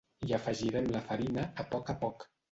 Hi afegirem la farina, a poc a poc.